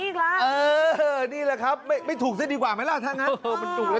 เออนี่แหละครับไม่ถูกซะดีกว่าไหมล่ะทั้งนั้น